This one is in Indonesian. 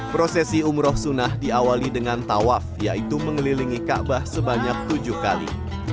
prosesi umroh sunnah diawali dengan tawaf yaitu mengelilingi kaabah sebanyak tujuh kali